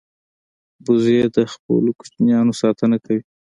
وزې د خپلو کوچنیانو ساتنه کوي